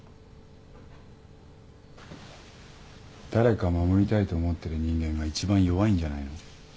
誰かを守りたいと思ってる人間がいちばん弱いんじゃないの？